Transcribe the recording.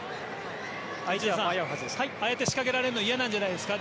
内田さんああやって仕掛けられるのは嫌なんじゃないですか？